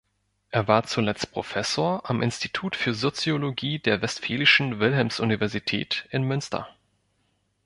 Er war zuletzt Professor am Institut für Soziologie der Westfälischen Wilhelms-Universität in Münster.